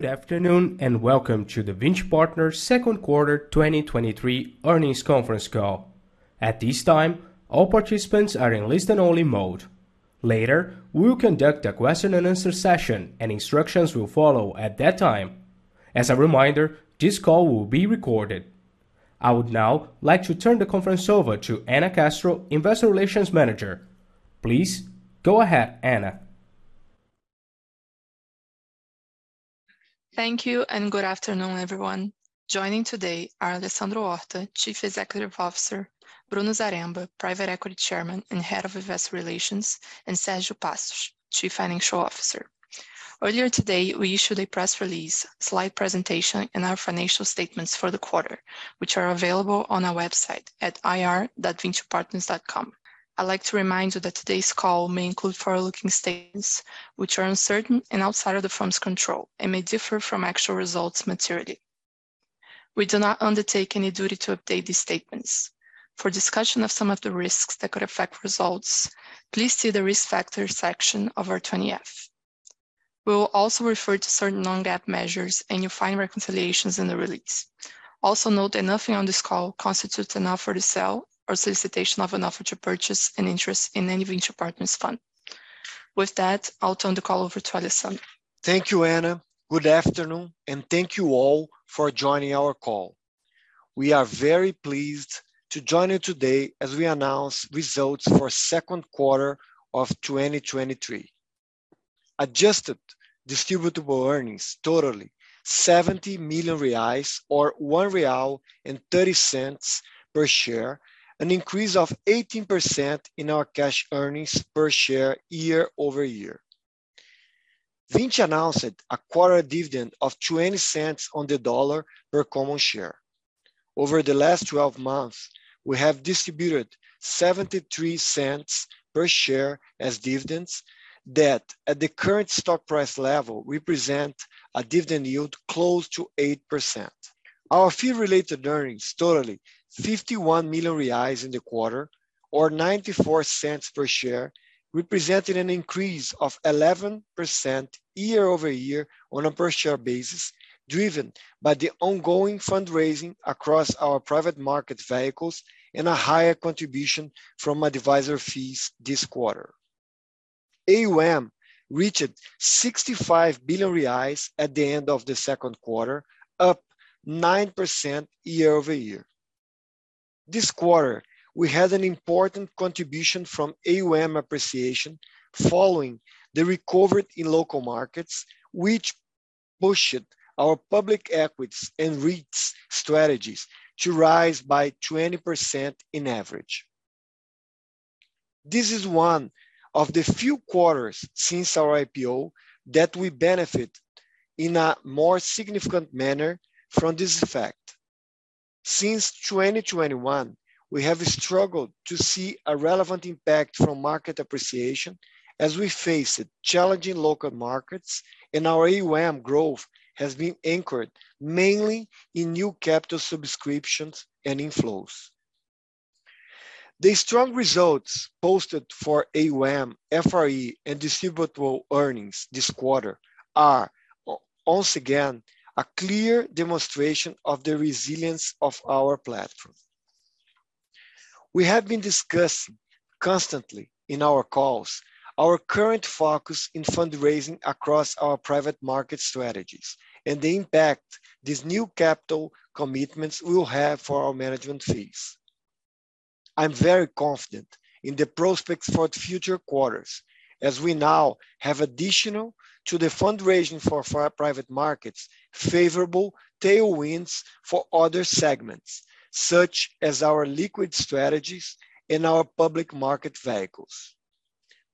Good afternoon. Welcome to the Vinci Partners second quarter 2023 earnings conference call. At this time, all participants are in listen-only mode. Later, we will conduct a question and answer session. Instructions will follow at that time. As a reminder, this call will be recorded. I would now like to turn the conference over to Anna Castro, Investor Relations Manager. Please go ahead, Anna. Thank you. Good afternoon, everyone. Joining today are Alessandro Horta, Chief Executive Officer, Bruno Zaremba, Private Equity Chairman and Head of Investor Relations, and Sergio Passos, Chief Financial Officer. Earlier today, we issued a press release, slide presentation, and our financial statements for the quarter, which are available on our website at ir.vincipartners.com. I'd like to remind you that today's call may include forward-looking statements, which are uncertain and outside of the firm's control and may differ from actual results materially. We do not undertake any duty to update these statements. For discussion of some of the risks that could affect results, please see the Risk Factors section of our 20-F. We will also refer to certain non-GAAP measures. You'll find reconciliations in the release. Also note that nothing on this call constitutes an offer to sell or solicitation of an offer to purchase an interest in any Vinci Partners fund. With that, I'll turn the call over to Alessandro. Thank you, Anna. Good afternoon, and thank you all for joining our call. We are very pleased to join you today as we announce results for second quarter of 2023. Adjusted distributable earnings totaling R$70 million, or R$1.30 per share, an increase of 18% in our cash earnings per share year-over-year. Vinci announced a quarter dividend of $0.20 per common share. Over the last 12 months, we have distributed $0.73 per share as dividends that, at the current stock price level, represent a dividend yield close to 8%. Our fee-related earnings totaling R$51 million in the quarter, or R$0.94 per share, represented an increase of 11% year-over-year on a per-share basis, driven by the ongoing fundraising across our private market vehicles and a higher contribution from advisor fees this quarter. AUM reached 65 billion reais at the end of the second quarter, up 9% year-over-year. This quarter, we had an important contribution from AUM appreciation following the recovery in local markets, which pushed our public equities and REITs strategies to rise by 20% in average. This is one of the few quarters since our IPO that we benefit in a more significant manner from this effect. Since 2021, we have struggled to see a relevant impact from market appreciation as we faced challenging local markets, and our AUM growth has been anchored mainly in new capital subscriptions and inflows. The strong results posted for AUM, FRE, and distributable earnings this quarter are once again a clear demonstration of the resilience of our platform. We have been discussing constantly in our calls our current focus in fundraising across our private market strategies and the impact these new capital commitments will have for our management fees. I'm very confident in the prospects for the future quarters as we now have, additional to the fundraising for our private markets, favorable tailwinds for other segments, such as our liquid strategies and our public market vehicles.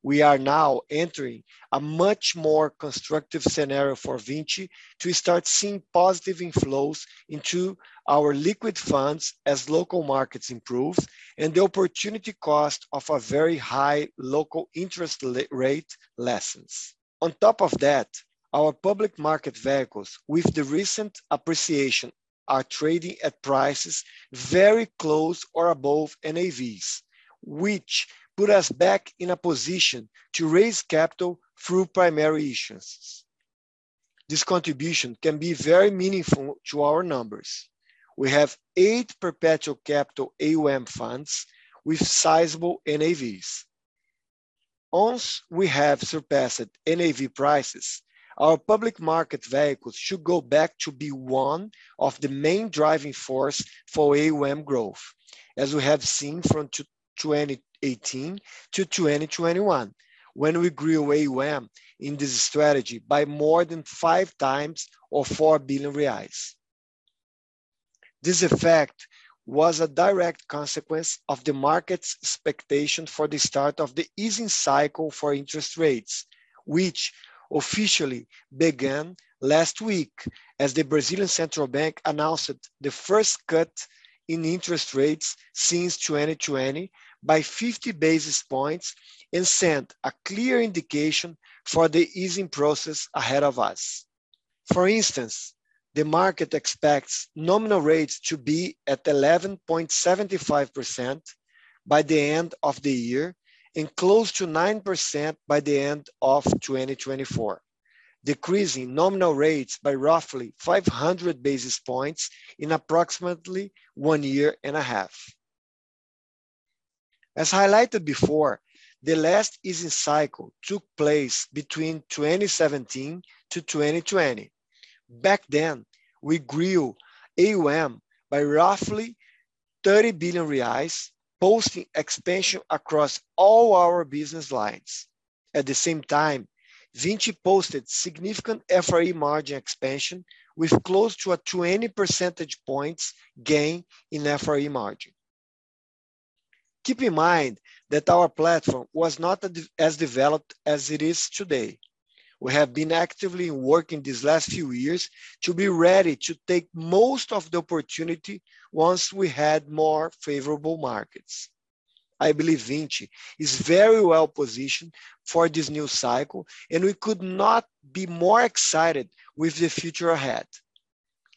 We are now entering a much more constructive scenario for Vinci to start seeing positive inflows into our liquid funds as local markets improve and the opportunity cost of a very high local interest rate lessens. On top of that, our public market vehicles, with the recent appreciation, are trading at prices very close or above NAVs, which put us back in a position to raise capital through primary issuance. This contribution can be very meaningful to our numbers. We have eight perpetual capital AUM funds with sizable NAVs. Once we have surpassed NAV prices, our public market vehicles should go back to be one of the main driving force for AUM growth, as we have seen from 2018 to 2021, when we grew AUM in this strategy by more than 5 times or 4 billion reais. This effect was a direct consequence of the market's expectation for the start of the easing cycle for interest rates, which officially began last week as the Brazilian Central Bank announced the first cut in interest rates since 2020 by 50 basis points and sent a clear indication for the easing process ahead of us. For instance... The market expects nominal rates to be at 11.75% by the end of the year and close to 9% by the end of 2024, decreasing nominal rates by roughly 500 basis points in approximately one year and a half. As highlighted before, the last easing cycle took place between 2017 to 2020. Back then, we grew AUM by roughly 30 billion reais, posting expansion across all our business lines. At the same time, Vinci posted significant FRE margin expansion, with close to a 20 percentage points gain in FRE margin. Keep in mind that our platform was not as developed as it is today. We have been actively working these last few years to be ready to take most of the opportunity once we had more favorable markets. I believe Vinci is very well positioned for this new cycle. We could not be more excited with the future ahead.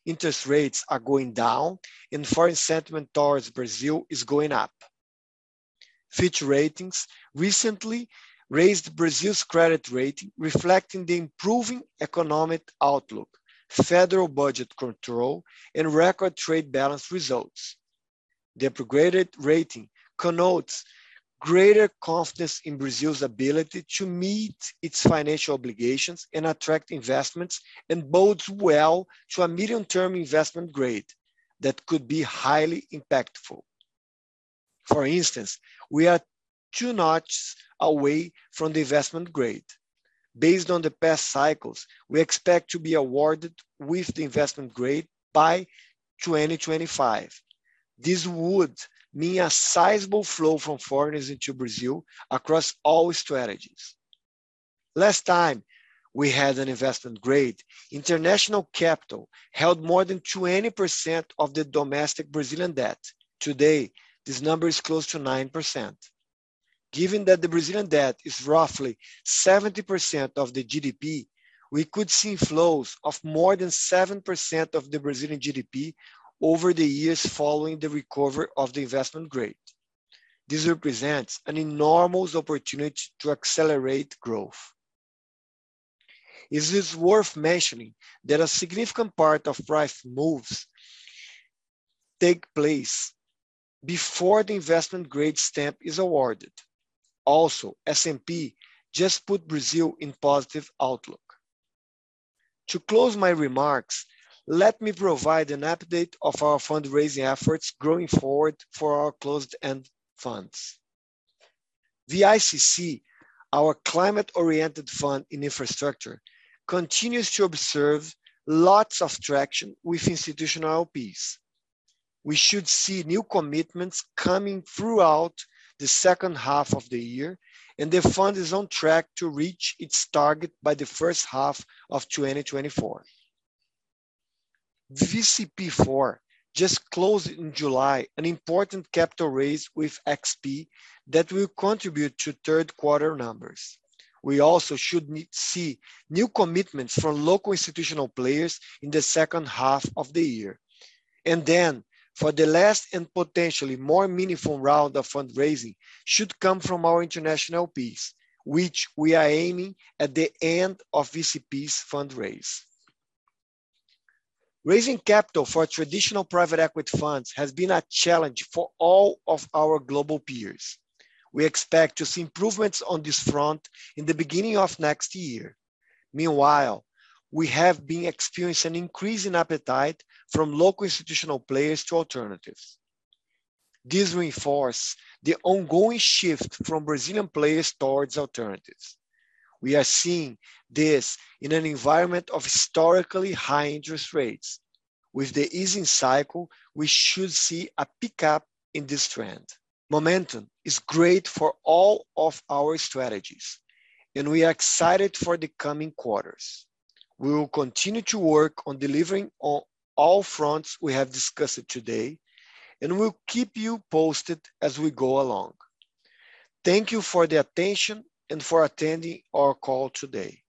Interest rates are going down. Foreign sentiment towards Brazil is going up. Fitch Ratings recently raised Brazil's credit rating, reflecting the improving economic outlook, federal budget control, and record trade balance results. The upgraded rating connotes greater confidence in Brazil's ability to meet its financial obligations and attract investments. Bodes well to a medium-term investment grade that could be highly impactful. For instance, we are 2 notches away from the investment grade. Based on the past cycles, we expect to be awarded with the investment grade by 2025. This would mean a sizable flow from foreigners into Brazil across all strategies. Last time we had an investment grade, international capital held more than 20% of the domestic Brazilian debt. Today, this number is close to 9%. Given that the Brazilian debt is roughly 70% of the GDP, we could see flows of more than 7% of the Brazilian GDP over the years following the recovery of the investment grade. This represents an enormous opportunity to accelerate growth. It is worth mentioning that a significant part of price moves take place before the investment grade stamp is awarded. Also, S&P just put Brazil in positive outlook. To close my remarks, let me provide an update of our fundraising efforts going forward for our closed-end funds. The VICC, our climate-oriented fund in infrastructure, continues to observe lots of traction with institutional LPs. We should see new commitments coming throughout the second half of the year, and the fund is on track to reach its target by the first half of 2024. VCP IV just closed in July, an important capital raise with XP that will contribute to third quarter numbers. We also should see new commitments from local institutional players in the second half of the year. Then for the last and potentially more meaningful round of fundraising should come from our international LPs, which we are aiming at the end of VCP's fundraise. Raising capital for traditional private equity funds has been a challenge for all of our global peers. We expect to see improvements on this front in the beginning of next year. Meanwhile, we have been experiencing an increase in appetite from local institutional players to alternatives. This reinforces the ongoing shift from Brazilian players towards alternatives. We are seeing this in an environment of historically high interest rates. With the easing cycle, we should see a pickup in this trend. Momentum is great for all of our strategies. We are excited for the coming quarters. We will continue to work on delivering on all fronts we have discussed today. We'll keep you posted as we go along. Thank you for the attention and for attending our call today.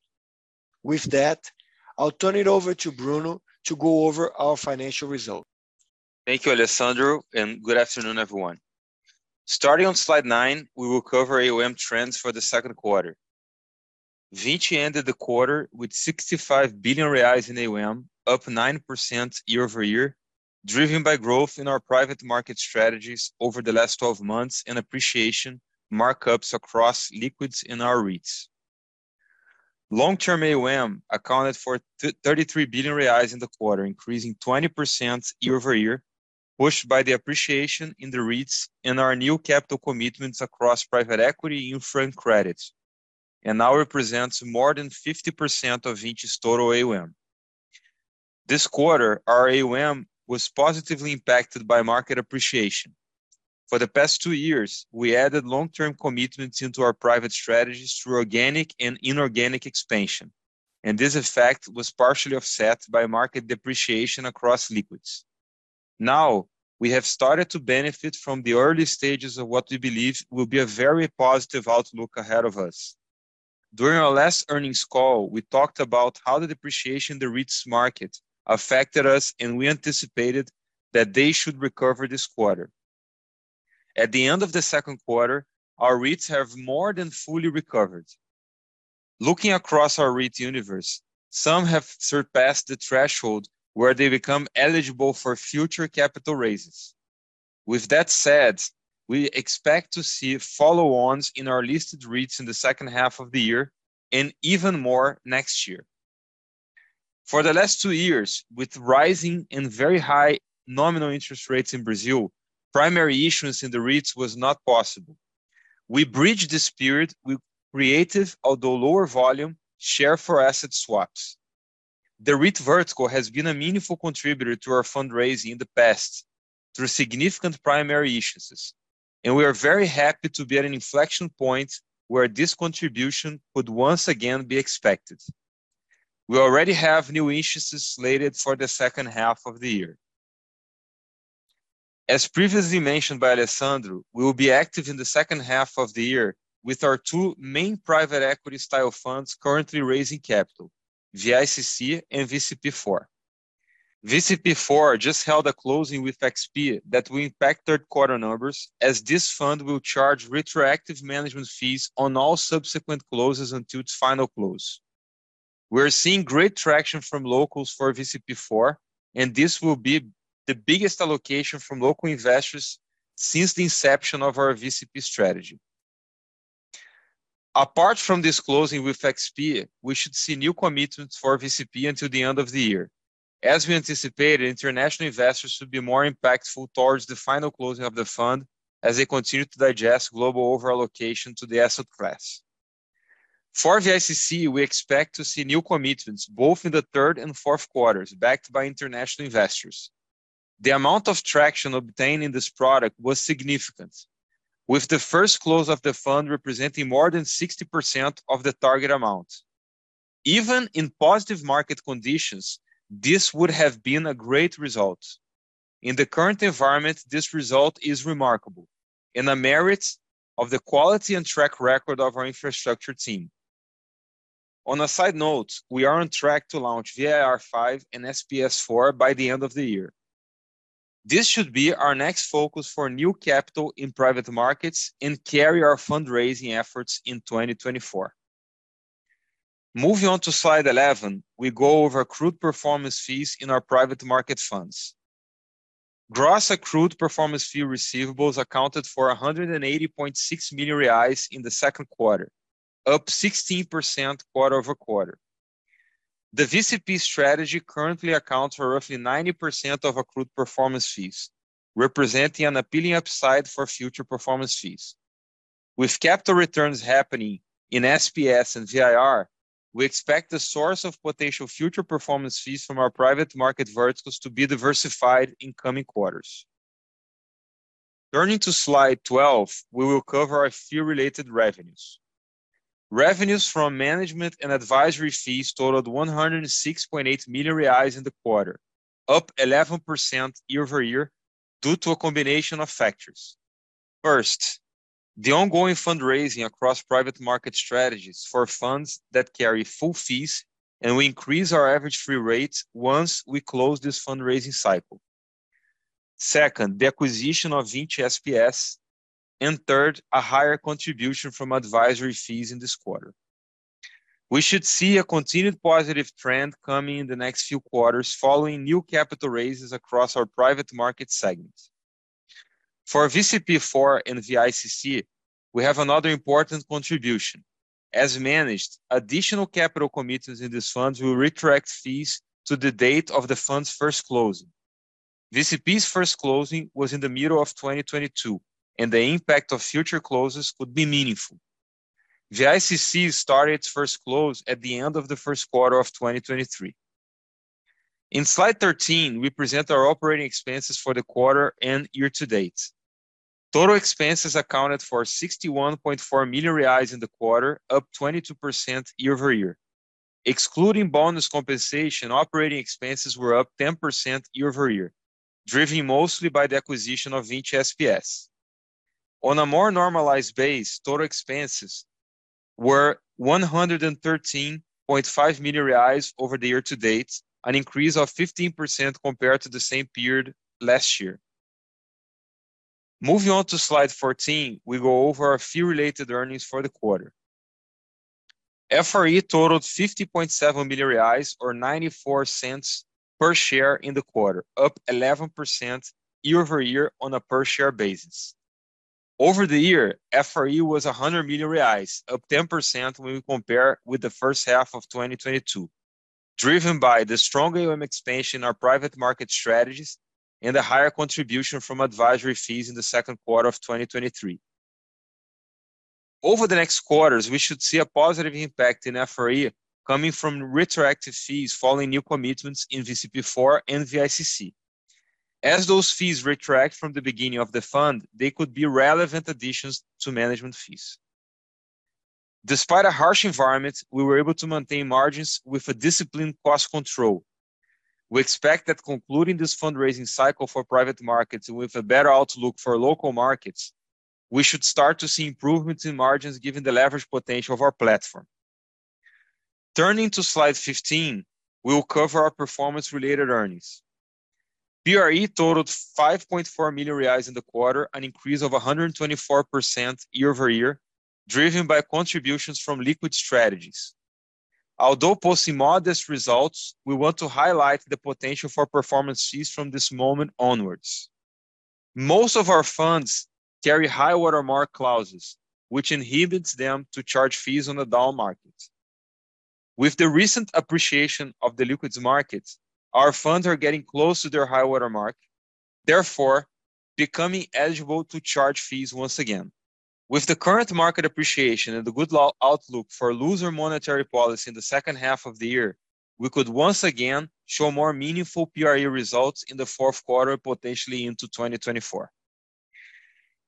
With that, I'll turn it over to Bruno to go over our financial results. Thank you, Alessandro. Good afternoon, everyone. Starting on slide 9, we will cover AUM trends for the second quarter. Vinci ended the quarter with 65 billion reais in AUM, up 9% year-over-year, driven by growth in our private market strategies over the last 12 months, and appreciation markups across liquids in our REITs. Long-term AUM accounted for 33 billion reais in the quarter, increasing 20% year-over-year, pushed by the appreciation in the REITs and our new capital commitments across private equity and front credits, and now represents more than 50% of Vinci's total AUM. This quarter, our AUM was positively impacted by market appreciation. For the past 2 years, we added long-term commitments into our private strategies through organic and inorganic expansion, and this effect was partially offset by market depreciation across liquids. Now, we have started to benefit from the early stages of what we believe will be a very positive outlook ahead of us. During our last earnings call, we talked about how the depreciation in the REITs market affected us, and we anticipated that they should recover this quarter. At the end of the second quarter, our REITs have more than fully recovered. Looking across our REIT universe, some have surpassed the threshold where they become eligible for future capital raises. With that said, we expect to see follow-ons in our listed REITs in the second half of the year, and even more next year. For the last two years, with rising and very high nominal interest rates in Brazil, primary issuance in the REITs was not possible. We bridged this period, we created, although lower volume, share for asset swaps. The REIT vertical has been a meaningful contributor to our fundraising in the past through significant primary issuances, and we are very happy to be at an inflection point where this contribution could once again be expected. We already have new issuances slated for the second half of the year. As previously mentioned by Alessandro, we will be active in the second half of the year with our two main private equity style funds currently raising capital, VICC and VCP IV. VCP IV just held a closing with XP that will impact third quarter numbers, as this fund will charge retroactive management fees on all subsequent closes until its final close. We're seeing great traction from locals for VCP IV, and this will be the biggest allocation from local investors since the inception of our VCP strategy. Apart from this closing with XP, we should see new commitments for VCP until the end of the year. As we anticipated, international investors should be more impactful towards the final closing of the fund as they continue to digest global overallocation to the asset class. For VICC, we expect to see new commitments both in the third and fourth quarters, backed by international investors. The amount of traction obtained in this product was significant, with the first close of the fund representing more than 60% of the target amount. Even in positive market conditions, this would have been a great result. In the current environment, this result is remarkable and a merit of the quality and track record of our infrastructure team. On a side note, we are on track to launch VIR5 and SPS4 by the end of the year. This should be our next focus for new capital in private markets and carry our fundraising efforts in 2024. Moving on to slide 11, we go over accrued performance fees in our private market funds. Gross accrued performance fee receivables accounted for R$180.6 million in the second quarter, up 16% quarter-over-quarter. The VCP strategy currently accounts for roughly 90% of accrued performance fees, representing an appealing upside for future performance fees. With capital returns happening in SPS and VIR, we expect the source of potential future performance fees from our private market verticals to be diversified in coming quarters. Turning to slide 12, we will cover a few related revenues. Revenues from management and advisory fees totaled 106.8 million reais in the quarter, up 11% year-over-year due to a combination of factors. First, the ongoing fundraising across private market strategies for funds that carry full fees, we increase our average fee rates once we close this fundraising cycle. Second, the acquisition of SPS Capital. Third, a higher contribution from advisory fees in this quarter. We should see a continued positive trend coming in the next few quarters, following new capital raises across our private market segments. For VCP4 and VICC, we have another important contribution. As managed, additional capital commitments in this fund will retract fees to the date of the fund's first closing. VCP's first closing was in the middle of 2022, and the impact of future closes could be meaningful. VICC started its 1st close at the end of the 1st quarter of 2023. In slide 13, we present our operating expenses for the quarter and year-to-date. Total expenses accounted for 61.4 million reais in the quarter, up 22% year-over-year. Excluding bonus compensation, operating expenses were up 10% year-over-year, driven mostly by the acquisition of SPS Capital. On a more normalized base, total expenses were 113.5 million reais over the year-to-date, an increase of 15% compared to the same period last year. Moving on to slide 14, we go over a few related earnings for the quarter. FRE totaled 50.7 million reais, or 0.94 per share in the quarter, up 11% year-over-year on a per-share basis. Over the year, FRE was R$100 million, up 10% when we compare with the first half of 2022, driven by the strong AUM expansion in our private market strategies and a higher contribution from advisory fees in the second quarter of 2023. Over the next quarters, we should see a positive impact in FRE coming from retroactive fees following new commitments in VCP IV and VICC. As those fees retract from the beginning of the fund, they could be relevant additions to management fees. Despite a harsh environment, we were able to maintain margins with a disciplined cost control. We expect that concluding this fundraising cycle for private markets with a better outlook for local markets, we should start to see improvements in margins, given the leverage potential of our platform. Turning to slide 15, we'll cover our performance-related earnings. PRE totaled 5.4 million reais in the quarter, an increase of 124% year-over-year, driven by contributions from liquid strategies. Although posting modest results, we want to highlight the potential for performance fees from this moment onwards. Most of our funds carry high water mark clauses, which inhibits them to charge fees on the down market. With the recent appreciation of the liquids markets, our funds are getting close to their high water mark, therefore, becoming eligible to charge fees once again. With the current market appreciation and the good law outlook for looser monetary policy in the second half of the year, we could once again show more meaningful PRE results in the fourth quarter, potentially into 2024.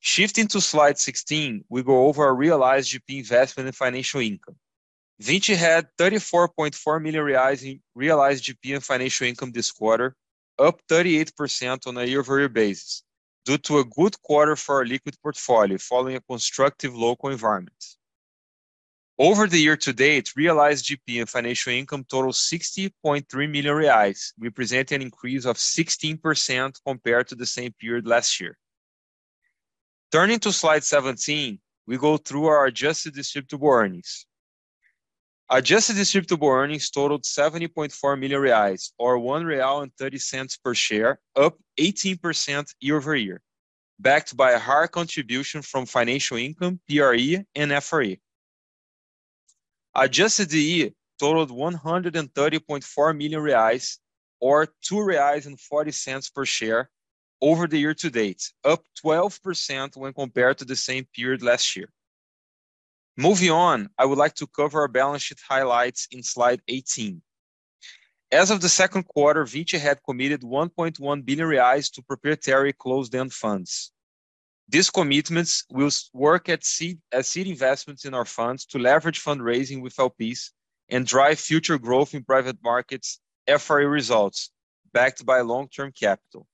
Shifting to slide 16, we go over our realized GP investment and financial income. Vinci had 34.4 million reais in realized GP and financial income this quarter, up 38% on a year-over-year basis, due to a good quarter for our liquid portfolio following a constructive local environment. Over the year to date, realized GP and financial income totaled 60.3 million reais, representing an increase of 16% compared to the same period last year. Turning to slide 17, we go through our adjusted distributable earnings. Adjusted distributable earnings totaled 70.4 million reais, or 1.30 real per share, up 18% year-over-year, backed by a higher contribution from financial income, PRE and FRE. Adjusted DE totaled 130.4 million reais, or 2.40 reais per share over the year to date, up 12% when compared to the same period last year. Moving on, I would like to cover our balance sheet highlights in slide 18. As of the second quarter, Vinci had committed 1.1 billion reais to proprietary closed-end funds. These commitments will work as seed investments in our funds to leverage fundraising with LPs and drive future growth in private markets FRE results, backed by long-term capital.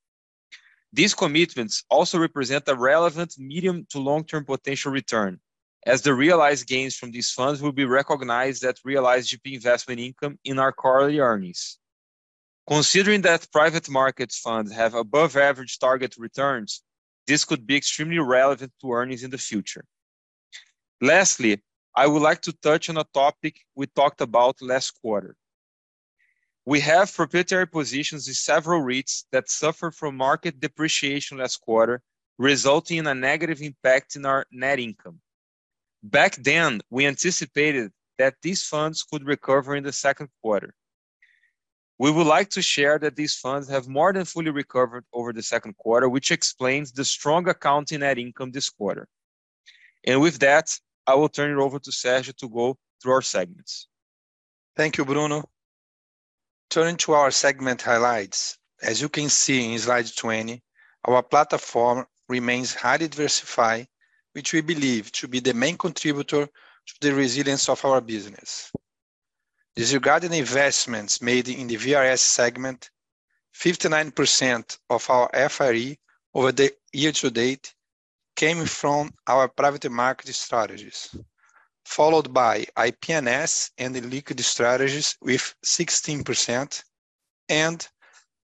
These commitments also represent a relevant medium to long-term potential return, as the realized gains from these funds will be recognized that realized GP investment income in our quarterly earnings. Considering that private markets funds have above average target returns, this could be extremely relevant to earnings in the future. Lastly, I would like to touch on a topic we talked about last quarter. We have proprietary positions in several REITs that suffered from market depreciation last quarter, resulting in a negative impact in our net income. Back then, we anticipated that these funds could recover in the second quarter. We would like to share that these funds have more than fully recovered over the second quarter, which explains the strong account in net income this quarter. With that, I will turn it over to Sergio to go through our segments. Thank you, Bruno. Turning to our segment highlights, as you can see in slide 20, our platform remains highly diversified, which we believe to be the main contributor to the resilience of our business. Disregarding investments made in the VRS segment, 59% of our FRE over the year to date came from our private market strategies, followed by IP&S and the liquid strategies with 16%, and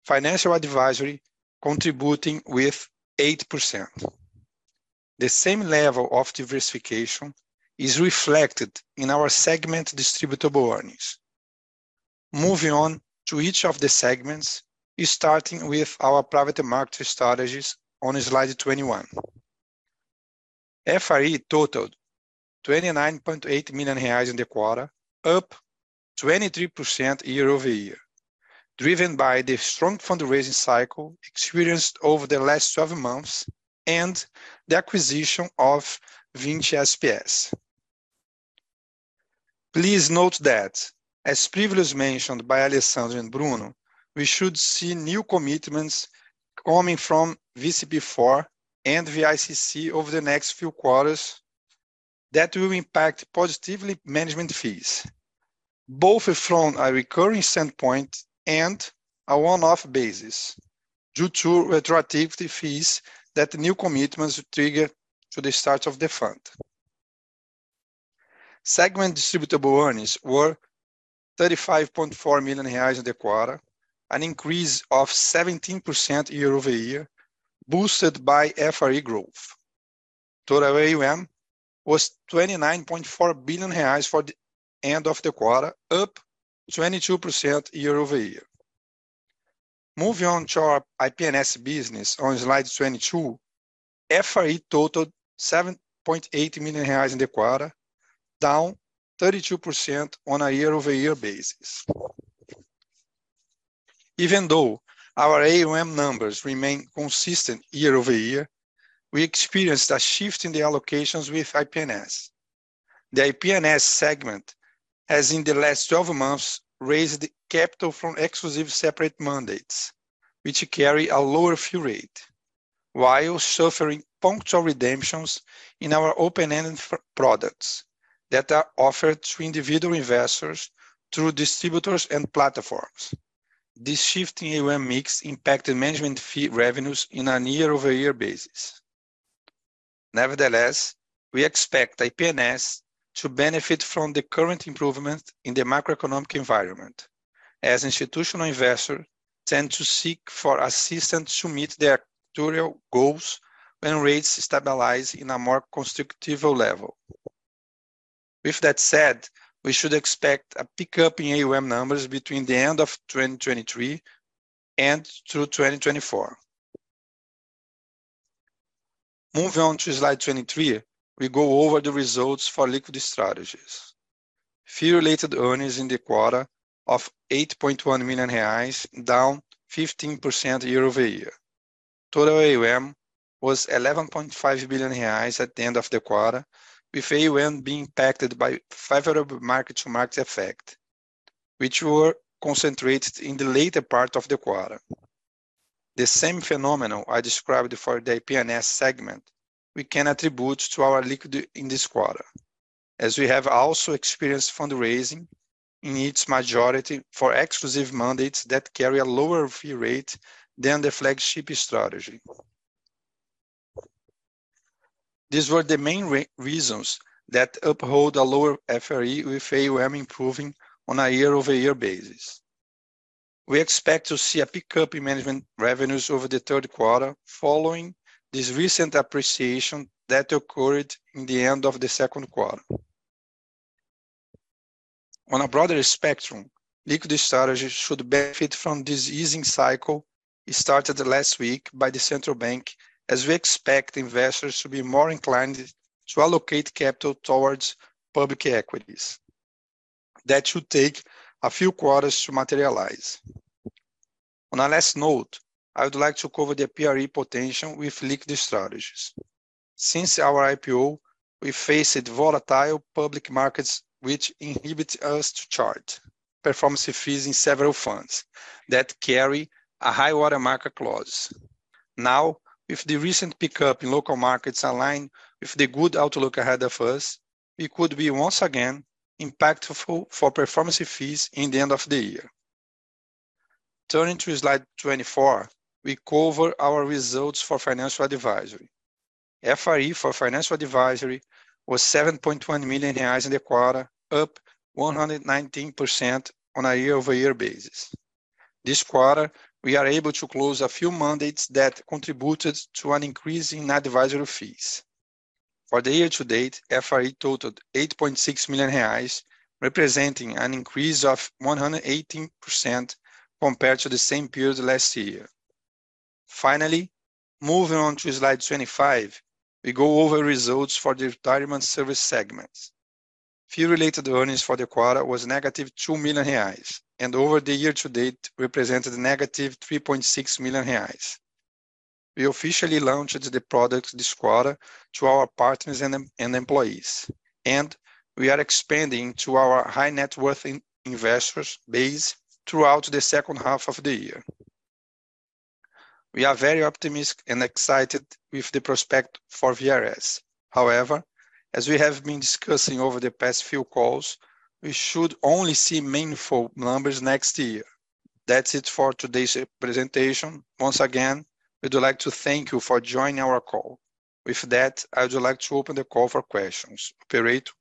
financial advisory contributing with 8%. The same level of diversification is reflected in our segment distributable earnings. Moving on to each of the segments, starting with our private market strategies on slide 21. FRE totaled 29.8 million reais in the quarter, up 23% year-over-year, driven by the strong fundraising cycle experienced over the last 12 months and the acquisition of Vinci SPS. Please note that, as previously mentioned by Alessandro and Bruno, we should see new commitments coming from VCP4 and VICC over the next few quarters that will impact positively management fees, both from a recurring standpoint and a one-off basis, due to retroactivity fees that new commitments trigger to the start of the fund. Segment distributable earnings were 35.4 million reais in the quarter, an increase of 17% year-over-year, boosted by FRE growth. Total AUM was 29.4 billion reais for the end of the quarter, up 22% year-over-year. Moving on to our IP&S business on slide 22, FRE totaled 7.8 million reais in the quarter, down 32% on a year-over-year basis. Even though our AUM numbers remain consistent year-over-year, we experienced a shift in the allocations with IP&S. The IP&S segment, as in the last 12 months, raised capital from exclusive separate mandates, which carry a lower fee rate, while suffering punctual redemptions in our open-ended products that are offered to individual investors through distributors and platforms. This shift in AUM mix impacted management fee revenues in a year-over-year basis. Nevertheless, we expect IP&S to benefit from the current improvement in the macroeconomic environment, as institutional investors tend to seek for assistance to meet their tutorial goals when rates stabilize in a more constructive level. With that said, we should expect a pickup in AUM numbers between the end of 2023 and through 2024. Moving on to slide 23, we go over the results for liquid strategies. Fee-related earnings in the quarter of 8.1 million reais, down 15% year-over-year. Total AUM was 11.5 billion reais at the end of the quarter, with AUM being impacted by favorable mark-to-market effect, which were concentrated in the later part of the quarter. The same phenomenon I described for the IP&S segment, we can attribute to our liquid in this quarter, as we have also experienced fundraising in its majority for exclusive mandates that carry a lower fee rate than the flagship strategy. These were the main reasons that uphold a lower FRE, with AUM improving on a year-over-year basis. We expect to see a pickup in management revenues over the third quarter following this recent appreciation that occurred in the end of the second quarter. On a broader spectrum, liquid strategies should benefit from this easing cycle started last week by the central bank, as we expect investors to be more inclined to allocate capital towards public equities. That should take a few quarters to materialize. On a last note, I would like to cover the PRE potential with liquid strategies. Since our IPO, we faced volatile public markets, which inhibit us to charge performance fees in several funds that carry a high water mark clause. Now, with the recent pickup in local markets align with the good outlook ahead of us, we could be once again impactful for performance fees in the end of the year. Turning to slide 24, we cover our results for financial advisory. FRE for financial advisory was 7.1 million reais in the quarter, up 119% on a year-over-year basis. This quarter, we are able to close a few mandates that contributed to an increase in advisory fees. For the year to date, FRE totaled 8.6 million reais, representing an increase of 118% compared to the same period last year. Finally, moving on to slide 25, we go over results for the Retirement Services segment. Fee-Related Earnings for the quarter was negative 2 million reais, and over the year to date, represented negative 3.6 million reais. We officially launched the product this quarter to our partners and employees, and we are expanding to our high net worth investors base throughout the second half of the year. We are very optimistic and excited with the prospect for VRS. However, as we have been discussing over the past few calls, we should only see meaningful numbers next year. That's it for today's presentation. Once again, we'd like to thank you for joining our call. With that, I would like to open the call for questions. Operator?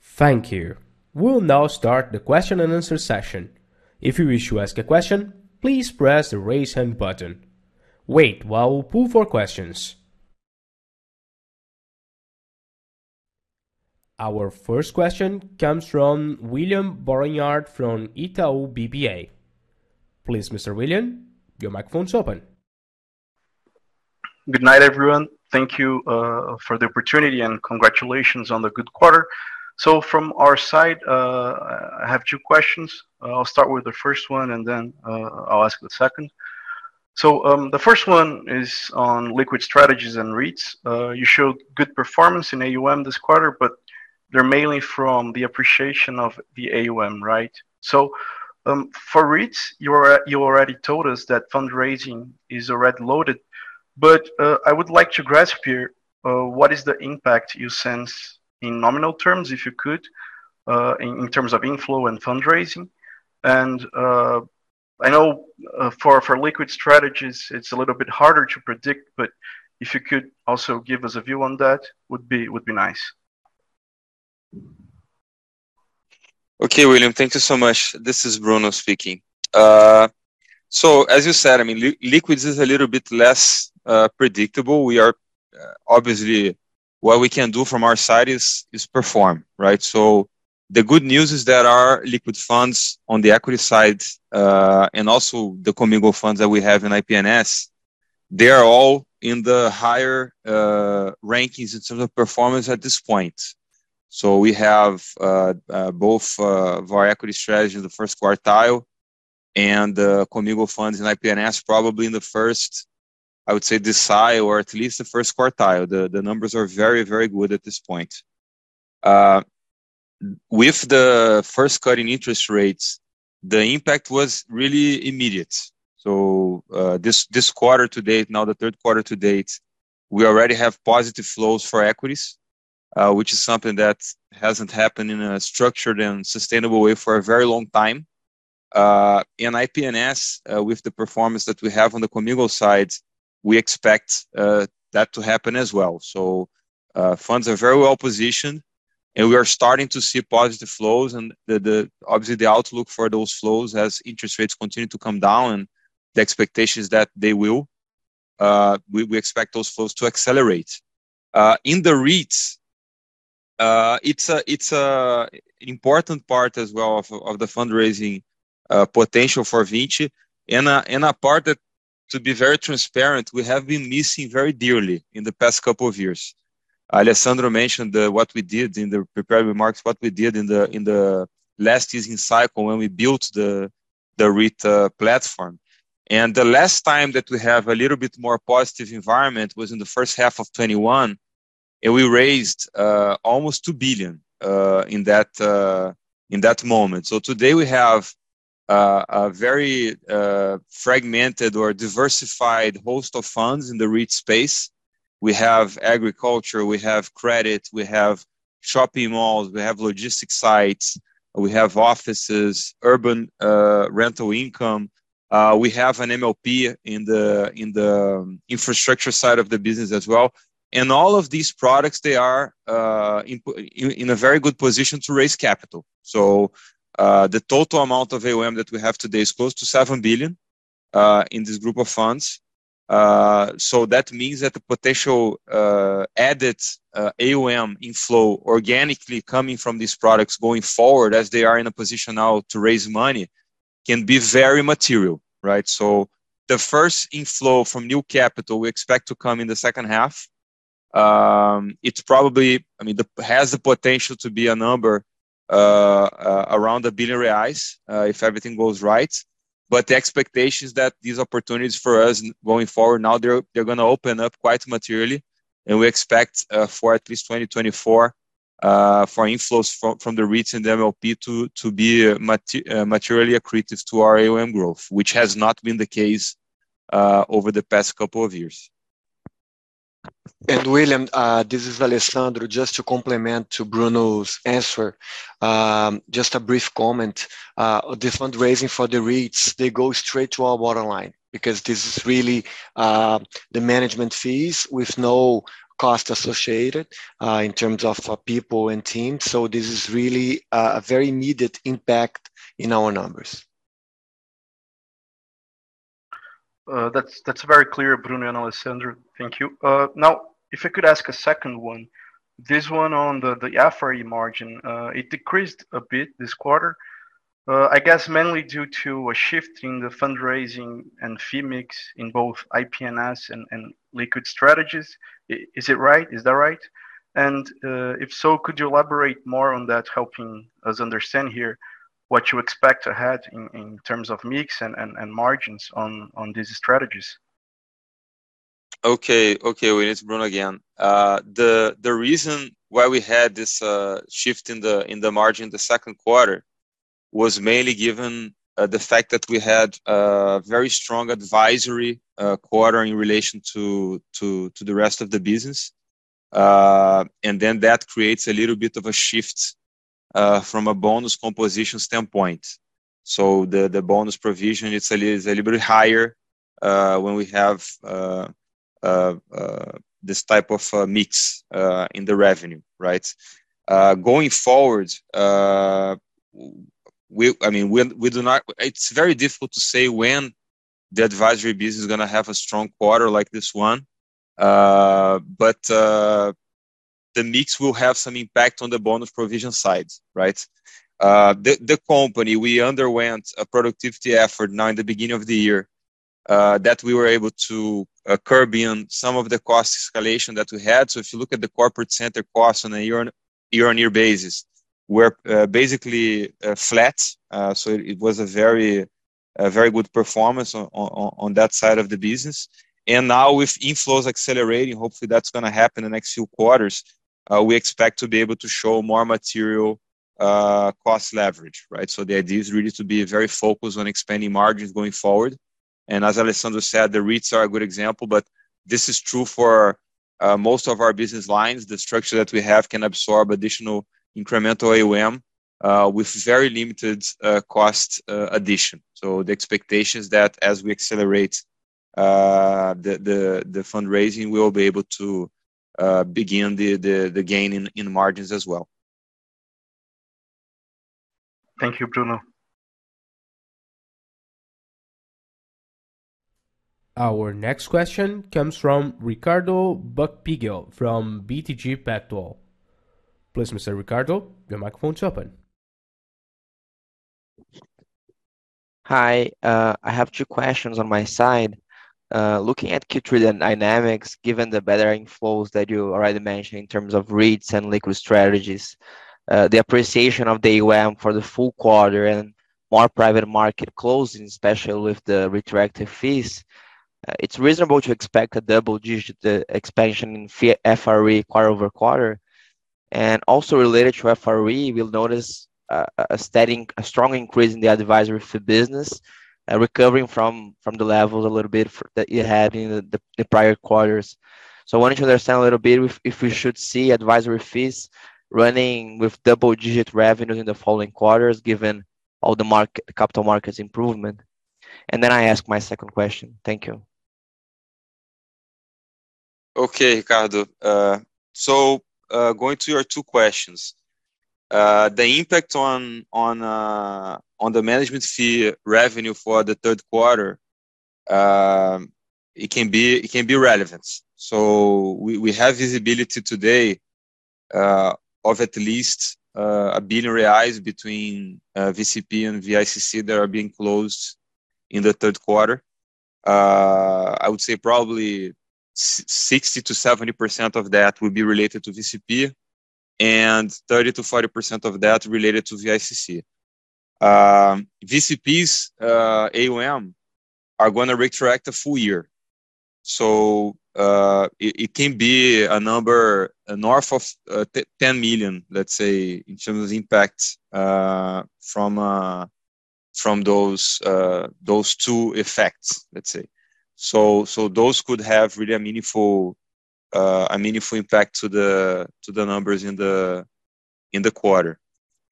Thank you. We'll now start the question and answer session. If you wish to ask a question, please press the Raise Hand button. Wait, while we pull for questions. Our first question comes from William Barranjard from Itaú BBA. Please, Mr. William, your microphone is open. Good night, everyone. Thank you for the opportunity, and congratulations on the good quarter. From our side, I have two questions. I'll start with the first one, and then I'll ask the second. The first one is on liquid strategies and REITs. You showed good performance in AUM this quarter, but they're mainly from the appreciation of the AUM, right? For REITs, you already told us that fundraising is already loaded, but I would like to grasp here, what is the impact you sense in nominal terms, if you could, in terms of inflow and fundraising? I know, for liquid strategies, it's a little bit harder to predict, but if you could also give us a view on that, would be, would be nice. Okay, William, thank you so much. This is Bruno speaking. As you said, I mean, liquids is a little bit less predictable. We are. Obviously, what we can do from our side is, is perform, right? The good news is that our liquid funds on the equity side, and also the commingled funds that we have in IP&S, they are all in the higher rankings in terms of performance at this point. We have both our equity strategy in the 1st quartile and the commingled funds in IP&S, probably in the 1st, I would say, decile, or at least the 1st quartile. The numbers are very, very good at this point. With the first cut in interest rates, the impact was really immediate. This quarter to date, now the third quarter to date, we already have positive flows for equities, which is something that hasn't happened in a structured and sustainable way for a very long time. In IP&S, with the performance that we have on the communal side, we expect that to happen as well. Funds are very well positioned, and obviously, the outlook for those flows as interest rates continue to come down, the expectation is that they will, we expect those flows to accelerate. In the REITs, it's a, it's a important part as well of, of the fundraising potential for Vinci, and a, and a part that, to be very transparent, we have been missing very dearly in the past couple of years. Alessandro mentioned what we did in the prepared remarks, what we did in the, in the last season cycle when we built the, the REIT platform. The last time that we have a little bit more positive environment was in the first half of 2021, and we raised almost 2 billion in that in that moment. Today we have a very fragmented or diversified host of funds in the REIT space. We have agriculture, we have credit, we have shopping malls, we have logistics sites, we have offices, urban rental income. We have an MLP in the infrastructure side of the business as well. All of these products, they are in a very good position to raise capital. The total amount of AUM that we have today is close to 7 billion in this group of funds. That means that the potential added AUM inflow organically coming from these products going forward, as they are in a position now to raise money, can be very material, right? The first inflow from new capital, we expect to come in the second half. It's probably... I mean, has the potential to be a number around 1 billion reais if everything goes right. The expectation is that these opportunities for us going forward, now, they're gonna open up quite materially, and we expect for at least 2024 for inflows from the REITs and MLP to be materially accretive to our AUM growth, which has not been the case over the past couple of years. William, this is Alessandro. Just to complement to Bruno's answer, just a brief comment. The fundraising for the REITs, they go straight to our bottom line, because this is really the management fees with no cost associated in terms of people and team. This is really a very needed impact in our numbers. That's, that's very clear, Bruno and Alessandro. Thank you. Now, if I could ask a second one, this one on the, the FRE margin. It decreased a bit this quarter, I guess mainly due to a shift in the fundraising and fee mix in both IP&S and, and liquid strategies. Is it right? Is that right? And, if so, could you elaborate more on that, helping us understand here what you expect ahead in, in terms of mix and, and, and margins on, on these strategies? Okay. Okay, William, it's Bruno again. The reason why we had this shift in the margin in the second quarter was mainly given the fact that we had a very strong advisory quarter in relation to the rest of the business. That creates a little bit of a shift from a bonus composition standpoint. The bonus provision, it's a little, it's a little bit higher when we have this type of a mix in the revenue, right? Going forward, we... I mean, it's very difficult to say when the advisory business is gonna have a strong quarter like this one. The mix will have some impact on the bonus provision side, right? The company, we underwent a productivity effort now in the beginning of the year, that we were able to curb in some of the cost escalation that we had. If you look at the corporate center costs on a year-on-year basis, we're basically flat. It was a very, a very good performance on, on, on that side of the business. Now with inflows accelerating, hopefully that's gonna happen in the next few quarters, we expect to be able to show more material cost leverage, right? The idea is really to be very focused on expanding margins going forward. As Alessandro said, the REITs are a good example, but this is true for most of our business lines. The structure that we have can absorb additional incremental AUM, with very limited, cost, addition. The expectation is that as we accelerate, the, the, the fundraising, we will be able to, begin the, the, the gain in, in margins as well. Thank you, Bruno. Our next question comes from Ricardo Buchpiguel from BTG Pactual. Please, Mr. Ricardo, your microphone is open. Hi, I have two questions on my side. Looking at Q3 dynamics, given the better inflows that you already mentioned in terms of REITs and liquid strategies-... the appreciation of the AUM for the full quarter and more private market closing, especially with the retroactive fees, it's reasonable to expect a double-digit expansion in fee FRE quarter-over-quarter. Also related to FRE, we'll notice a strong increase in the advisory fee business, recovering from the levels that you had in the prior quarters. I want you to understand a little bit if we should see advisory fees running with double-digit revenue in the following quarters, given all the capital markets improvement. I ask my second question. Thank you. Okay, Ricardo. Going to your two questions. The impact on the management fee revenue for the third quarter, it can be relevant. We have visibility today of at least 1 billion reais between VCP and VICC that are being closed in the third quarter. I would say probably 60%-70% of that would be related to VCP, and 30%-40% of that related to VICC. VCP's AUM are gonna retract a full year. It can be a number, a north of 10 million, let's say, in terms of impact from those two effects, let's say. Those could have really a meaningful, a meaningful impact to the numbers in the quarter.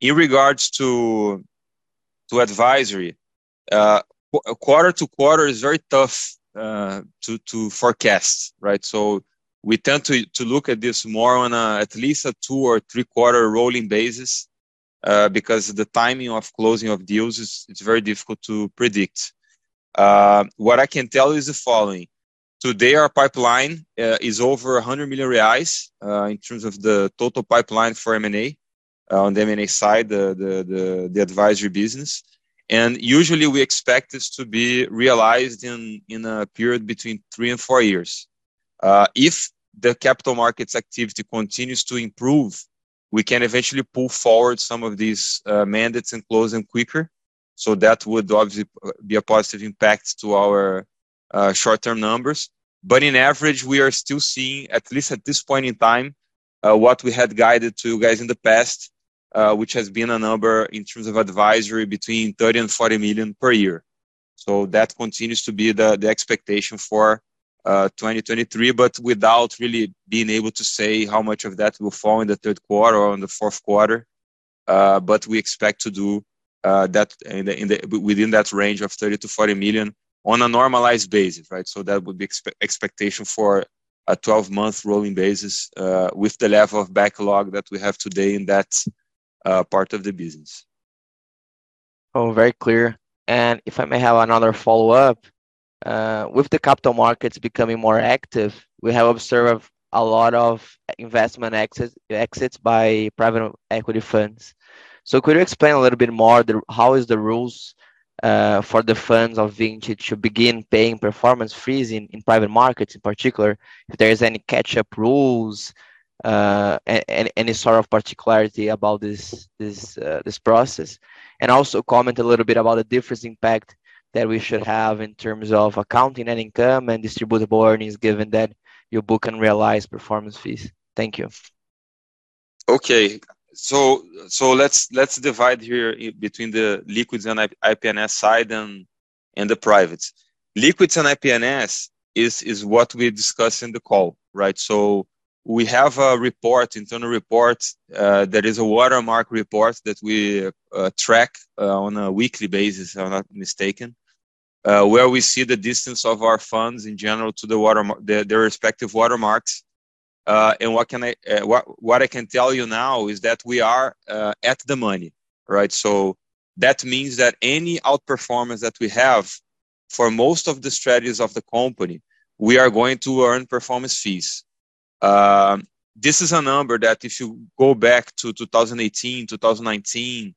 In regards to advisory, quarter to quarter is very tough to forecast, right? We tend to look at this more on a at least a 2 or 3 quarter rolling basis because the timing of closing of deals it's very difficult to predict. What I can tell you is the following: today, our pipeline is over 100 million reais in terms of the total pipeline for M&A, on the M&A side, the advisory business. Usually we expect this to be realized in a period between 3 and 4 years. If the capital markets activity continues to improve, we can eventually pull forward some of these mandates and close them quicker. That would obviously be a positive impact to our short-term numbers. In average, we are still seeing, at least at this point in time, what we had guided to you guys in the past, which has been a number in terms of advisory, between 30 million and 40 million per year. That continues to be the expectation for 2023, but without really being able to say how much of that will fall in the third quarter or in the fourth quarter. But we expect to do that in the, in the within that range of 30 million-40 million on a normalized basis, right? That would be expectation for a 12-month rolling basis, with the level of backlog that we have today in that part of the business. Oh, very clear. If I may have another follow-up. With the capital markets becoming more active, we have observed a lot of investment exit- exits by private equity funds. Could you explain a little bit more the, how is the rules for the funds of Vinci to begin paying performance fees in, in private markets in particular? If there is any catch-up rules, any, any sort of particularity about this, this, this process? Also comment a little bit about the difference impact that we should have in terms of accounting and income, and distributable earnings, given that you book and realize performance fees. Thank you. Okay. Let's, let's divide here between the liquids and IP&S side and, and the privates. Liquids and IP&S is, is what we discussed in the call, right? We have a report, internal report, that is a watermark report that we track on a weekly basis, if I'm not mistaken, where we see the distance of our funds in general to the watermark, their respective watermarks. What can I, what, what I can tell you now is that we are at the money, right? That means that any outperformance that we have for most of the strategies of the company, we are going to earn performance fees. This is a number that if you go back to 2018, 2019,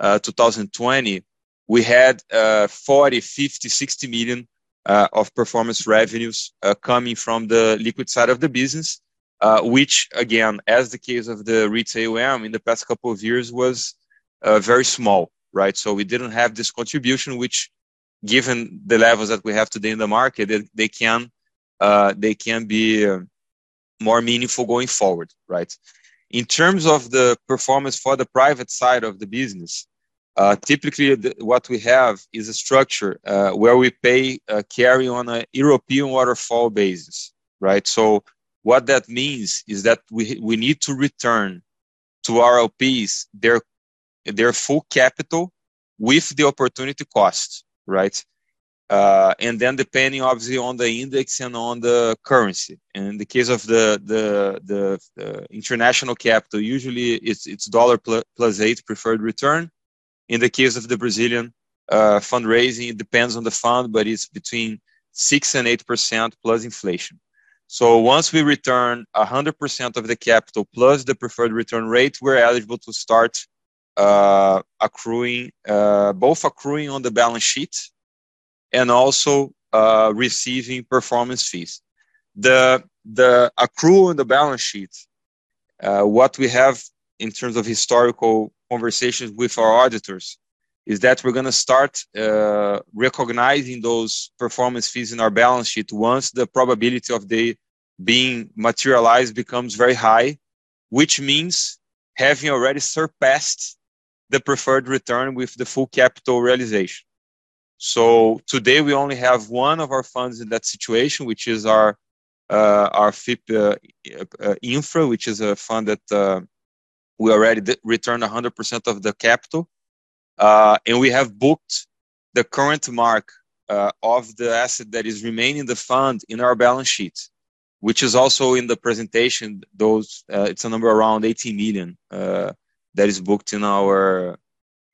2020, we had 40 million, 50 million, 60 million of performance revenues coming from the liquid side of the business, which again, as the case of the retail AUM in the past couple of years, was very small, right? We didn't have this contribution, which given the levels that we have today in the market, they can, they can be more meaningful going forward, right? In terms of the performance for the private side of the business, typically, what we have is a structure where we pay a carry on a European waterfall basis, right? What that means is that we, we need to return to our LPs, their, their full capital with the opportunity cost, right? Then depending obviously on the index and on the currency, and in the case of the international capital, usually it's dollar plus 8% preferred return. In the case of the Brazilian fundraising, it depends on the fund, but it's between 6% and 8% plus inflation. Once we return 100% of the capital plus the preferred return rate, we're eligible to start accruing both accruing on the balance sheet and also receiving performance fees. The accrual in the balance sheet, what we have in terms of historical conversations with our auditors, is that we're gonna start recognizing those performance fees in our balance sheet once the probability of they being materialized becomes very high, which means having already surpassed the preferred return with the full capital realization. Today, we only have one of our funds in that situation, which is our FIP Infra, which is a fund that we already did return 100% of the capital. We have booked the current mark of the asset that is remaining in the fund in our balance sheet, which is also in the presentation. Those, it's a number around 80 million that is booked in our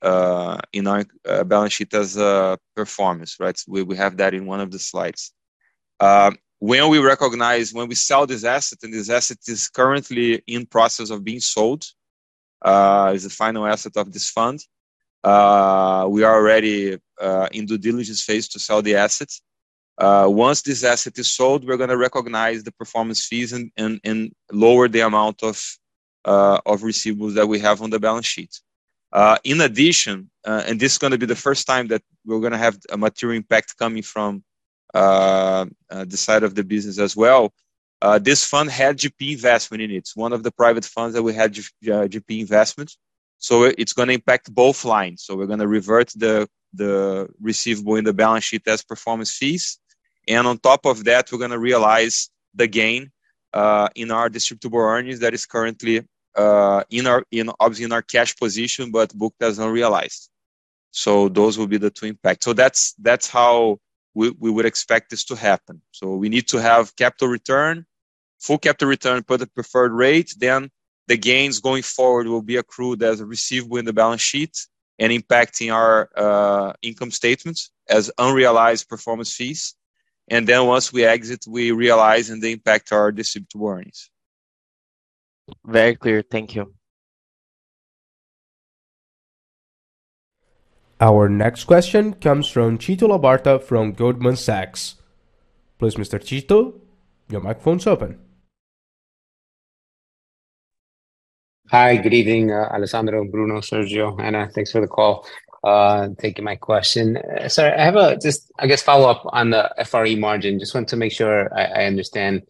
balance sheet as a performance, right? We, we have that in one of the slides. When we sell this asset, and this asset is currently in process of being sold, is the final asset of this fund. We are already in due diligence phase to sell the assets. Once this asset is sold, we're gonna recognize the performance fees and, and, and lower the amount of receivables that we have on the balance sheet. In addition, and this is gonna be the first time that we're gonna have a material impact coming from the side of the business as well. This fund had GP investment in it. It's one of the private funds that we had GP investments, so it's gonna impact both lines. We're gonna revert the, the receivable in the balance sheet as performance fees, and on top of that, we're gonna realize the gain in our distributable earnings that is currently in our, in obviously in our cash position, but book does not realize. Those will be the two impact. That's, that's how we, we would expect this to happen. We need to have capital return, full capital return for the preferred return, then the gains going forward will be accrued as a receivable in the balance sheet and impacting our income statement as unrealized performance fees. Then once we exit, we realize and they impact our distributable earnings. Very clear. Thank you. Our next question comes from Tito Labarta from Goldman Sachs. Please, Mr. Tito, your microphone is open. Hi, good evening, Alessandro, Bruno, Sergio, Anna. Thanks for the call. Thank you for my question. Sorry, I have a just, I guess, follow-up on the FRE margin. Just wanted to make sure I, I understand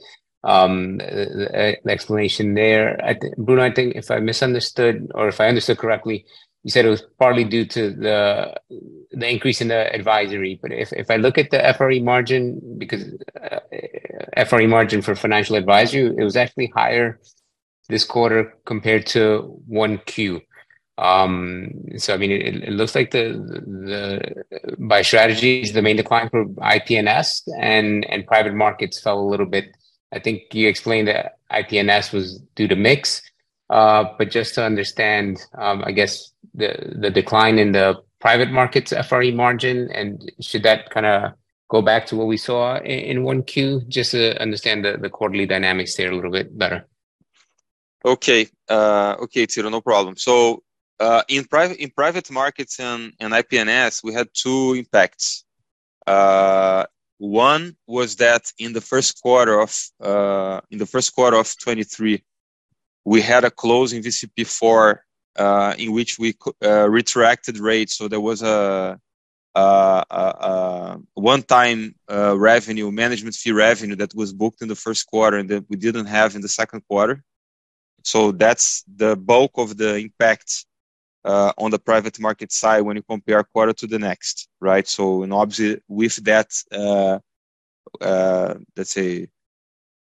the, the, the explanation there. I think, Bruno, I think if I misunderstood or if I understood correctly, you said it was partly due to the, the increase in the advisory. But if, if I look at the FRE margin, because FRE margin for financial advisory, it was actually higher this quarter compared to one Q. So I mean, it, it looks like by strategy is the main decline for IP&S and, and private markets fell a little bit. I think you explained that IP&S was due to mix. Just to understand, I guess the, the decline in the private markets FRE margin, and should that kinda go back to what we saw in 1Q? Just to understand the, the quarterly dynamics there a little bit better. Okay. Okay, Tito, no problem. In private, in private markets and, and IP&S, we had two impacts. One was that in the first quarter of, in the first quarter of 2023, we had a closing VCP IV, in which we retracted rates. There was a one-time revenue, management fee revenue that was booked in the first quarter, and then we didn't have in the second quarter. That's the bulk of the impact on the private market side when you compare quarter to the next, right? And obviously, with that, let's say,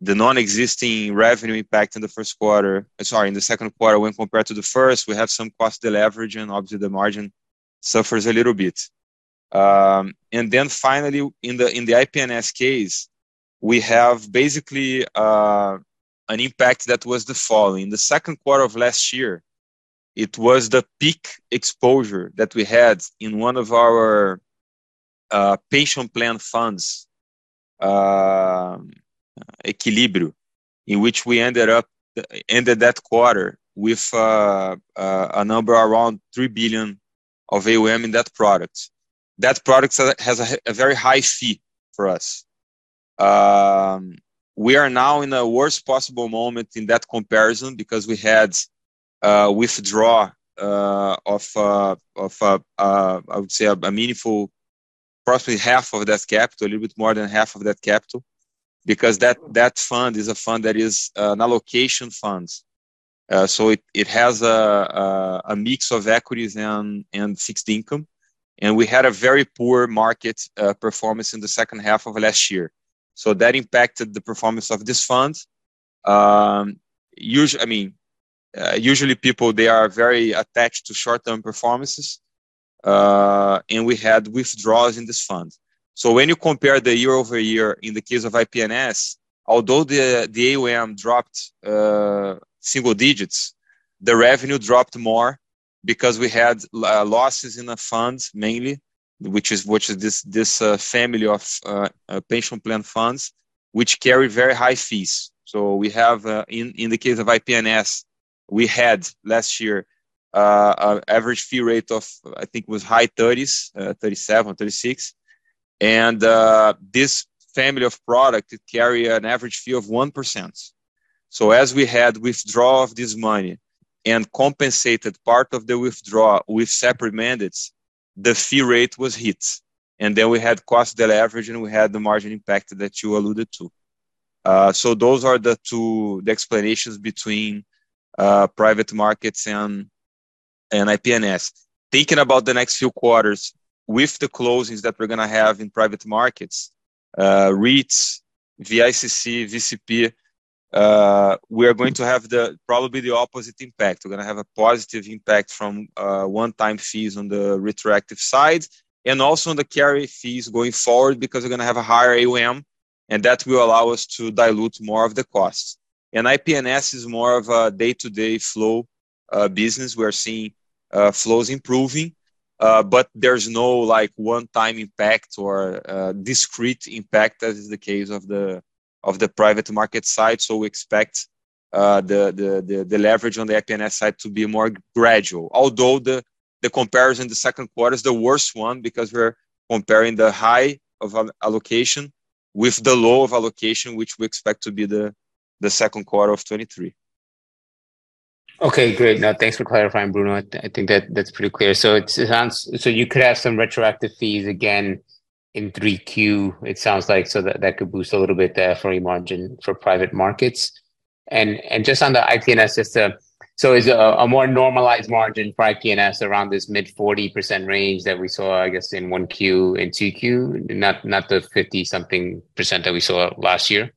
the non-existing revenue impact in the first quarter... Sorry, in the second quarter when compared to the first, we have some cost deleveraging, obviously, the margin suffers a little bit. Then finally, in the IP&S case, we have basically, an impact that was the following. The second quarter of last year, it was the peak exposure that we had in one of our patient plan funds, Equilibrio, in which we ended that quarter with a number around 3 billion of AUM in that product. That product has a very high fee for us. We are now in a worse possible moment in that comparison because we had withdraw of, I would say, a meaningful, roughly half of that capital, a little bit more than half of that capital, because that, that fund is a fund that is an allocation fund. It, it has a mix of equities and fixed income, and we had a very poor market performance in the second half of last year. That impacted the performance of this fund. I mean, usually people, they are very attached to short-term performances, and we had withdrawals in this fund. When you compare the year-over-year in the case of IP&S, although the AUM dropped single digits, the revenue dropped more because we had losses in the funds mainly, which is, which is this, this family of pension plan funds, which carry very high fees. We have, in, in the case of IP&S, we had last year an average fee rate of, I think it was high 30s, 37 or 36. This family of product carry an average fee of 1%. As we had withdrawal of this money and compensated part of the withdrawal with separate mandates, the fee rate was hit, and then we had cost deleverage, and we had the margin impact that you alluded to. Those are the two-- the explanations between private markets and IP&S. Thinking about the next few quarters, with the closings that we're gonna have in private markets, REITs, VICC, VCP, we are going to have the, probably the opposite impact. We're gonna have a positive impact from one-time fees on the retroactive side, and also on the carry fees going forward, because we're gonna have a higher AUM, and that will allow us to dilute more of the costs. IP&S is more of a day-to-day flow business. We are seeing flows improving, but there's no, like, one-time impact or discrete impact, as is the case of the, of the private market side. We expect the leverage on the IP&S side to be more gradual. Although the comparison, the second quarter is the worst one because we're comparing the high of allocation with the low of allocation, which we expect to be the second quarter of 2023. Okay, great. Now, thanks for clarifying, Bruno. I, I think that's pretty clear. It sounds you could have some retroactive fees again in 3Q, it sounds like, so that, that could boost a little bit the FRE margin for private markets. Just on the IP&S system, so is a, a more normalized margin for IP&S around this mid 40% range that we saw, I guess, in 1Q and 2Q, not, not the 50 something percent that we saw last year?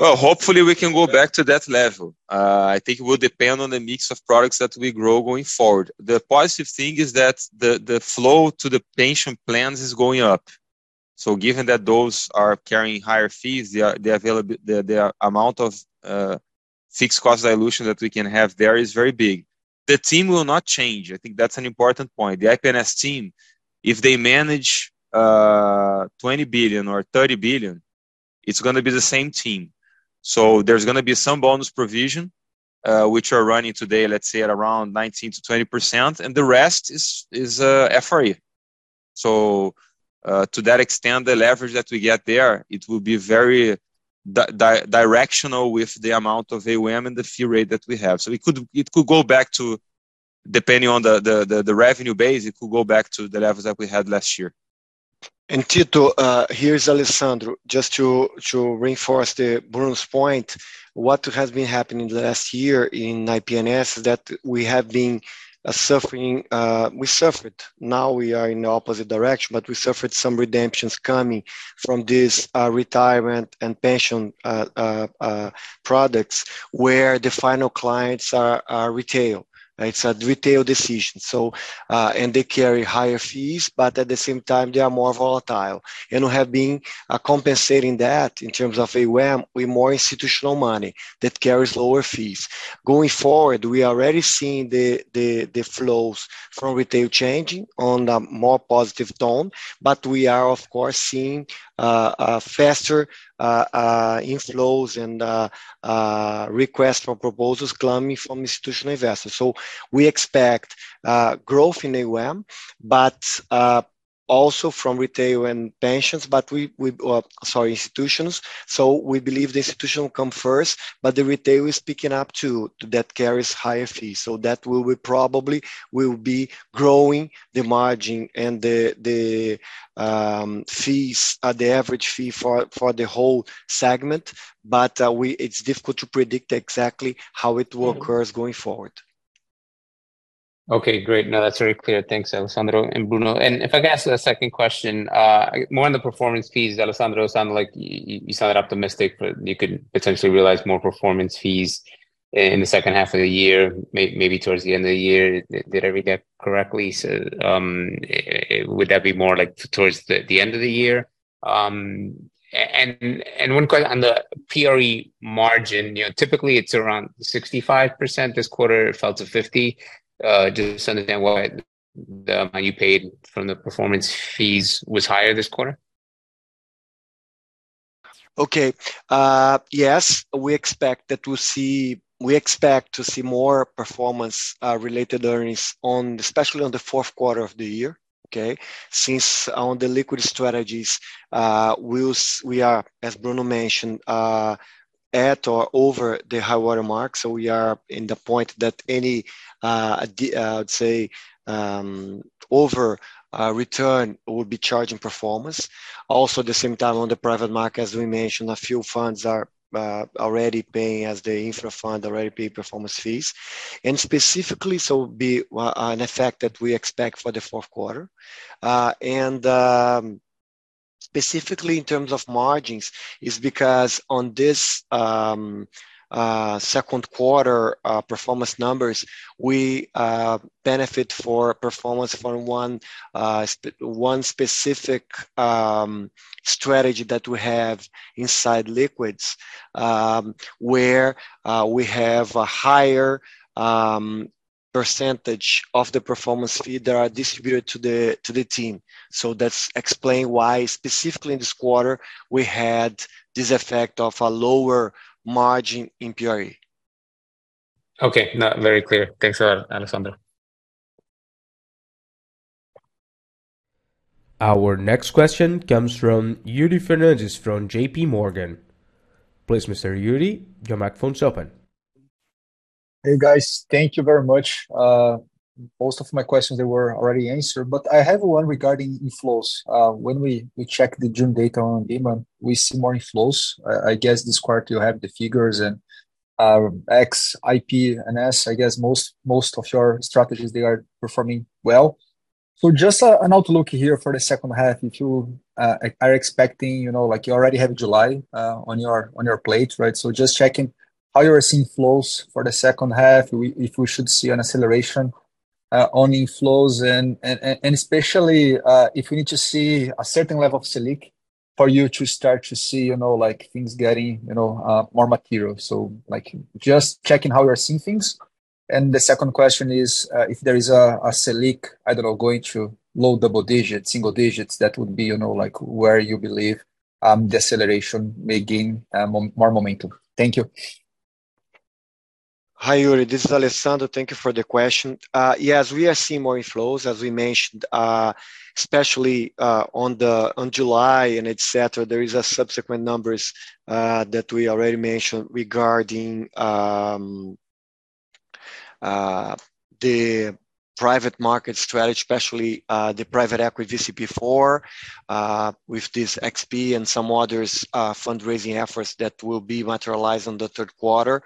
Well, hopefully we can go back to that level. I think it will depend on the mix of products that we grow going forward. The positive thing is that the flow to the pension plans is going up. Given that those are carrying higher fees, the amount of fixed cost dilution that we can have there is very big. The team will not change. I think that's an important point. The IP&S team, if they manage 20 billion or 30 billion, it's gonna be the same team. There's gonna be some bonus provision, which are running today, let's say, at around 19%-20%, and the rest is, is FRE. To that extent, the leverage that we get there, it will be very directional with the amount of AUM and the fee rate that we have. It could, it could go back to, depending on the revenue base, it could go back to the levels that we had last year. Tito, here's Alessandro. Just to reinforce the Bruno's point, what has been happening in the last year in IP&S is that we have been suffering. We suffered. Now we are in the opposite direction, we suffered some redemptions coming from this retirement and pension products where the final clients are retail, right? It's a retail decision, they carry higher fees, at the same time, they are more volatile. We have been compensating that in terms of AUM with more institutional money that carries lower fees. Going forward, we are already seeing the flows from retail changing on a more positive tone, we are, of course, seeing a faster inflows and request for proposals coming from institutional investors. We expect growth in AUM, but also from retail and pensions. Sorry, institutions. We believe the institution come first, but the retail is picking up, too, that carries higher fees. That will be probably will be growing the margin and the, the fees, the average fee for the whole segment, but it's difficult to predict exactly how it will occur going forward. Okay, great. No, that's very clear. Thanks, Alessandro and Bruno. If I could ask a 2nd question, more on the performance fees. Alessandro, sound like you sounded optimistic, but you could potentially realize more performance fees in the 2nd half of the year, maybe towards the end of the year. Did I read that correctly? Would that be more like towards the end of the year? And 1 question on the PRE margin, you know, typically it's around 65%. This quarter, it fell to 50. Just to understand why the money you paid from the performance fees was higher this quarter? Okay, yes, we expect to see more performance-related earnings, especially on the fourth quarter of the year, okay. Since on the liquid strategies, we are, as Bruno mentioned, at or over the high water mark. So we are at the point that any, say, over return will be charging performance. Also, at the same time, on the private market, as we mentioned, a few funds are already paying, as the infra fund already pay performance fees. Specifically, so be an effect that we expect for the fourth quarter. Specifically in terms of margins, is because on this second quarter performance numbers, we benefit for performance from one specific strategy that we have inside liquids, where we have a higher percentage of the performance fee that are distributed to the team. That's explain why specifically in this quarter, we had this effect of a lower margin in PRE. Okay, now very clear. Thanks a lot, Alessandro. Our next question comes from Yuri Fernandes from J.P. Morgan. Please, Mr. Yuri, your microphone is open. Hey, guys. Thank you very much. Most of my questions they were already answered, but I have one regarding inflows. When we, we check the June data on ANBIMA, we see more inflows. I, I guess this quarter you have the figures and X, IP, and S, I guess most, most of your strategies, they are performing well. Just an outlook here for the second half, if you are expecting, you know, like you already have July on your, on your plate, right? Just checking how you are seeing flows for the second half, if we should see an acceleration on inflows and, and, and especially, if we need to see a certain level of Selic for you to start to see, you know, like things getting, you know, more material. Like, just checking how you are seeing things. The second question is, if there is a Selic, I don't know, going to low double digits, single digits, that would be, you know, like, where you believe the acceleration may gain more momentum. Thank you. Hi, Yuri. This is Alessandro. Thank you for the question. Yes, we are seeing more inflows, as we mentioned, especially on July and et cetera. There is a subsequent numbers that we already mentioned regarding the private market strategy, especially the private equity VCP IV, with this XP and some others fundraising efforts that will be materialized on the third quarter,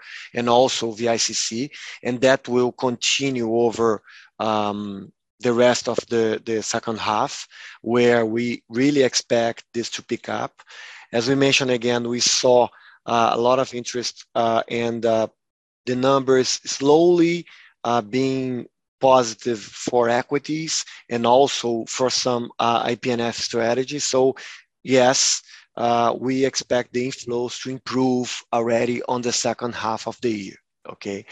also the VICC. That will continue over the rest of the second half, where we really expect this to pick up. As we mentioned, again, we saw a lot of interest, and the numbers slowly being positive for equities and also for some IPNF strategies. Yes, we expect the inflows to improve already on the second half of the year. Okay,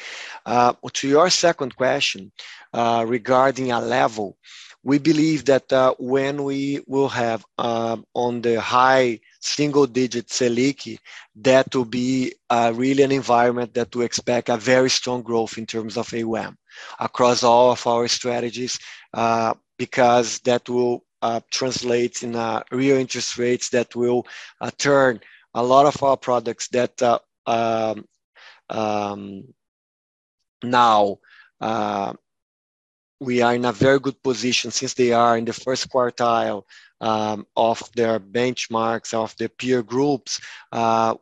to your second question, regarding a level, we believe that when we will have on the high single-digit Selic, that will be really an environment that we expect a very strong growth in terms of AUM across all of our strategies, because that will translate in real interest rates that will turn a lot of our products that. Now, we are in a very good position, since they are in the 1st quartile of their benchmarks, of their peer groups,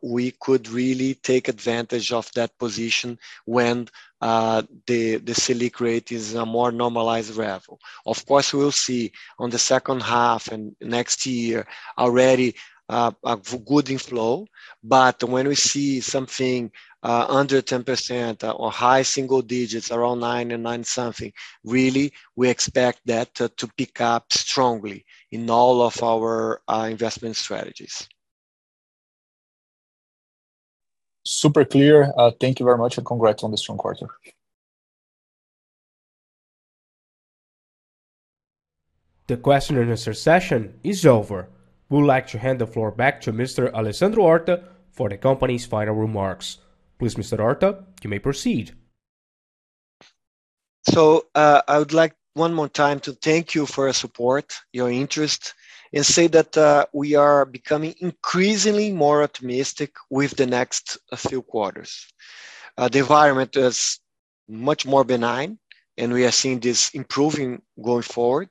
we could really take advantage of that position when the Selic rate is a more normalized level. Of course, we will see on the second half and next year already, a good inflow, but when we see something, under 10% or high single digits, around 9 and 9 something, really, we expect that to pick up strongly in all of our investment strategies. Super clear. Thank you very much. Congrats on the strong quarter. The question and answer session is over. We'd like to hand the floor back to Mr. Alessandro Horta for the company's final remarks. Please, Mr. Horta, you may proceed. I would like one more time to thank you for your support, your interest, and say that we are becoming increasingly more optimistic with the next few quarters. The environment is much more benign, and we are seeing this improving going forward.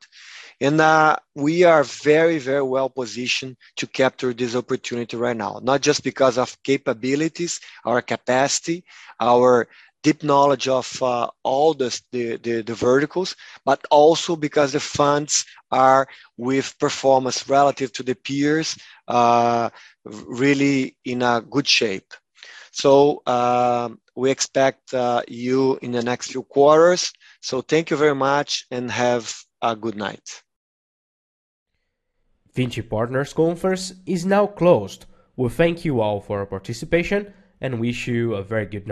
We are very, very well positioned to capture this opportunity right now, not just because of capabilities, our capacity, our deep knowledge of all the the, the, the verticals, but also because the funds are with performance relative to the peers, really in a good shape. We expect you in the next few quarters. Thank you very much, and have a good night. Vinci Partners conference is now closed. We thank you all for your participation, and wish you a very good night.